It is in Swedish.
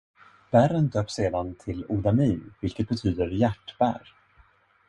Bären döps sedan till Odamin, vilket betyder hjärtbär.